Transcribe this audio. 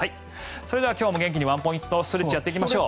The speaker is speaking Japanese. それでは今日も元気にワンポイントストレッチやっていきましょう。